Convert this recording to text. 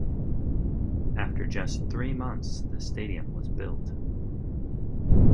After just three months, the stadium was built.